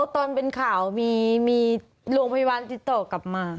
ตอนเป็นข่าวมีโรงพยาบาลติดต่อกลับมา